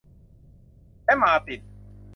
และมาร์ติน